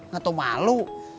gak tau malu